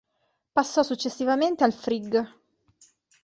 Passò successivamente al Frigg.